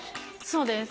そうです。